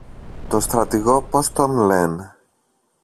το στρατηγό πώς τον λεν;